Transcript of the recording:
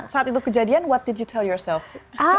saat itu kejadian apa yang kamu katakan